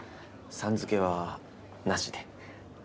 「さん」付けはなしで。